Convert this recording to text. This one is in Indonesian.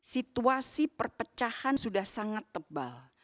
situasi perpecahan sudah sangat tebal